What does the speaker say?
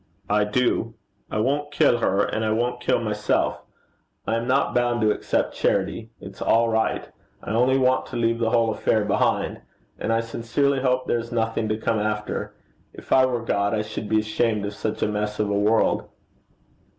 'I do. I won't kill her, and I won't kill myself: I am not bound to accept charity. It's all right. I only want to leave the whole affair behind; and I sincerely hope there's nothing to come after. If I were God, I should be ashamed of such a mess of a world.'